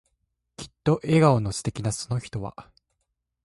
きっと笑顔の素敵なその人は、